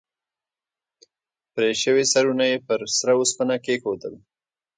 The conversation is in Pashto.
پرې شوي سرونه یې پر سره اوسپنه کېښودل.